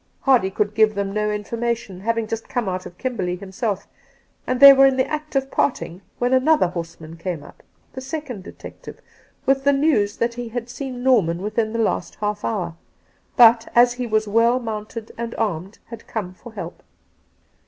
Hardy could give them no infor mation, having just come out of KimbBrley himself, and they were in the act of parting when another horseman came up — the second detective — with the news that he had seen Norman within the last half hour, but, as he was well mounted and armed, had come for help.